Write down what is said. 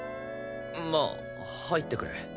まあ入ってくれ。